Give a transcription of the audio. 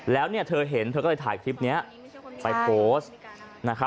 แล้วเธอเห็นเธอก็เลยถ่ายคลิปนี้ไปโพสต์